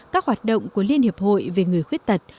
các hoạt động của liên hiệp hội về người khuyết tật